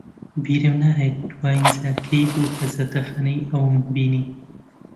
بیرم ناهێت دوایین جار کەی بوو کە زەردەخەنەی ئەوم بینی.